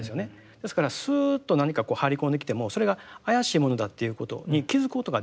ですからスーッと何かこう入り込んできてもそれが怪しいものだっていうことに気付くことができない。